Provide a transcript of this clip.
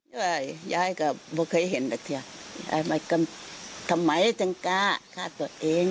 เฮ้ยยายก็ไม่เคยเห็นแบบเทียบยายไม่ก็ทำไมจังกะฆ่าตัวเอง